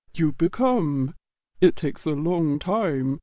"You become. It takes a long time.